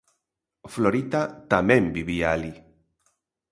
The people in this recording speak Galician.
Florita tamén vivía alí.